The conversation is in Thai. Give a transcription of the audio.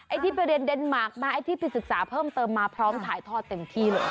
ที่ไปเรียนเดนมาร์คมาไอ้ที่ไปศึกษาเพิ่มเติมมาพร้อมถ่ายทอดเต็มที่เลย